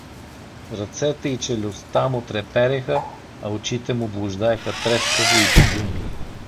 Ръцете и челюстта му трепереха, а очите му блуждаеха трескаво и безумно.